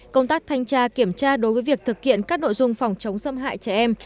công tác thanh tra kiểm tra đối với việc thực hiện các nội dung phòng chống xâm hại trẻ em